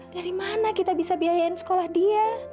dari mana kita bisa biayain sekolah dia